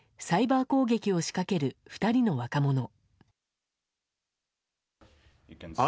サイバー攻撃を仕掛ける２人の若者。